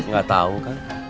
gak tau kan